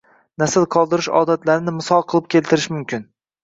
Nasl qoldirish “odat”larini misol qilib keltirish mumkin.